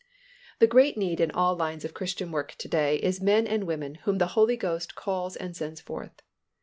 The great need in all lines of Christian work to day is men and women whom the Holy Ghost calls and sends forth.